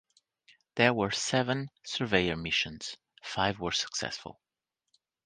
There were seven Surveyor missions; five were successful.